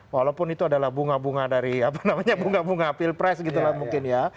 walaupun itu adalah bunga bunga dari apa namanya bunga bunga pilpres gitu lah mungkin ya